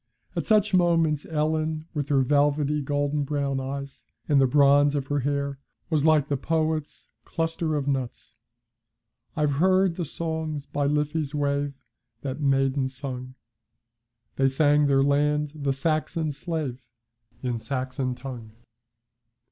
At such moments Ellen, with her velvety golden brown eyes, and the bronze of her hair, was like the poet's 'Cluster of Nuts.' I've heard the songs by Liffey's wave That maidens sung. They sang their land, the Saxon's slave, In Saxon tongue.